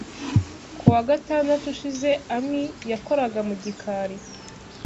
Kuwa gatandatu ushize, Amy yakoraga mu gikari.